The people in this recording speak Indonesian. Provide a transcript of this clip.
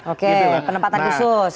oke penempatan khusus